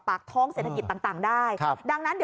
ปากท้องเศรษฐกิจต่างได้ครับ